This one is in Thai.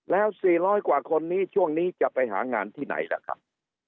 แล้ว๔๐๐กว่าคนนี้ช่วงนี้จะไปหางานที่ไหนล่ะครับ